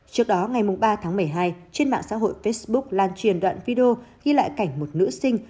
trước đó ngày ba tháng một mươi hai trên mạng xã hội facebook lan truyền đoạn video ghi lại cảnh một nữ sinh